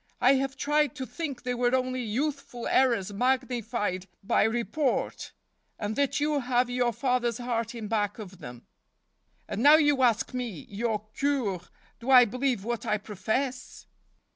I have tried to think they were only youth¬ ful errors magnified by report, and that you have your father's heart in back of them. And now you ask me, your Cure, do I believe what I profess?